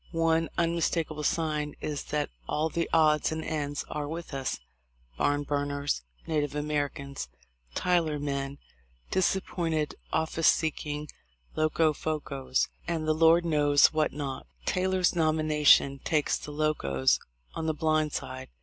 One un mistakable sign is that all the odds and ends are with us — Barn burners, Native Americans, Tyler men, disappointed office seeking Locofocos, and the Lord knows what not ... Taylor's nomination takes the Locos on the blind side.